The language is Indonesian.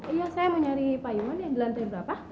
iya saya mau cari pak iwan yang di lantai berapa